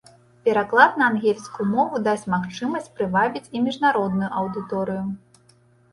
Пераклад на ангельскую мову дасць магчымасць прывабіць і міжнародную аўдыторыю.